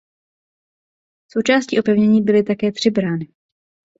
Součástí opevnění byly také tři brány.